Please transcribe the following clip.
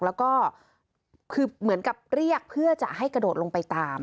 แล้วก็คือเหมือนกับเรียกเพื่อจะให้กระโดดลงไปตาม